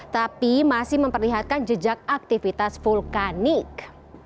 tapi masih memperlihatkan jejak aktivitas vulkanik